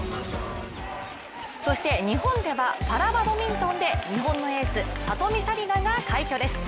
そして日本ではパラバドミントンで日本のエース・里見紗李奈が快挙です。